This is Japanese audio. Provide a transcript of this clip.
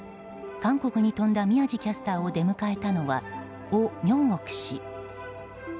韓国に飛んだ宮司キャスターを出迎えたのはオ・ミョンオク氏。